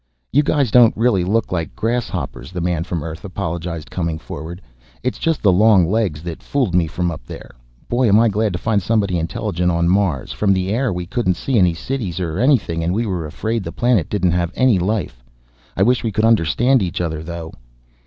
"You guys don't really look like grasshoppers," the man from Earth apologized, coming forward; "it's just the long legs that fooled me from up there. Boy, am I glad to find somebody intelligent on Mars; from the air we couldn't see any cities or anything, and we were afraid the planet didn't have any life. I wish we could understand each other, though."